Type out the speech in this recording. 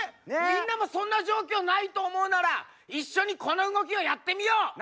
みんなもそんな状況ないと思うなら一緒にこの動きをやってみよう！